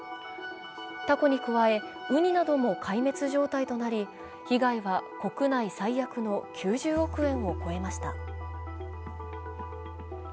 たこに加えうになども壊滅状態となり被害は国内最悪の９０億円を超えました。